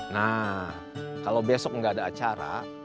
nah kalau besok nggak ada acara